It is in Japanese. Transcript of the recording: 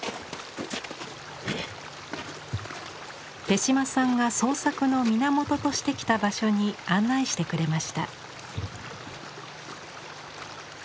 手島さんが創作の源としてきた場所に案内してくれました。